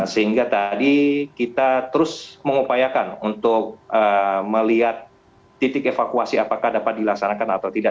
sehingga tadi kita terus mengupayakan untuk melihat titik evakuasi apakah dapat dilaksanakan atau tidak